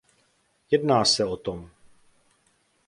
Jedná se o tom.